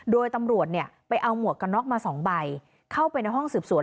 โดยตำรวจเนี่ยไปเอาหมวกกันน็อกมาสองใบเข้าไปในห้องสืบสวน